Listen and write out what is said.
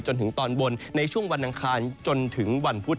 จนถึงตอนบนในช่วงวันอังคารจนถึงวันพุธ